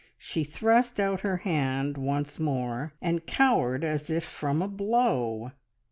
She thrust out her hand once more, and cowered as if from a blow.